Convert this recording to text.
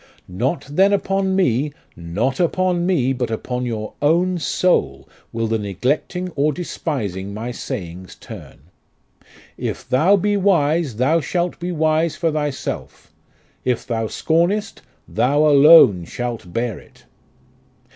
Not then upon me not upon me, but upon your own soul will the neglecting or despising my sayings turn. ' If thou be wise, thou shalt be wise for thyself ; if thou scornest, thou alone shalt bear it.'